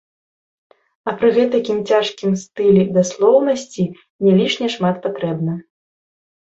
А пры гэтакім цяжкім стылі даслоўнасці не лішне шмат патрэбна.